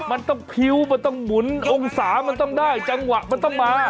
มันต้องพิ้วมันต้องหมุนองศามันต้องได้จังหวะมันต้องมา